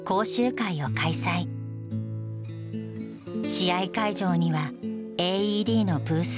試合会場にはＡＥＤのブースを設置。